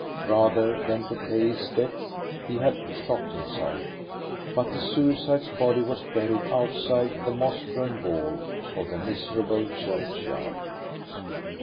Rather than to pay his debt he had shot himself. But the suicide's body was buried outside the moss grown wall of the miserable churchyard.